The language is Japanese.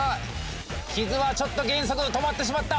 木津はちょっと減速止まってしまった。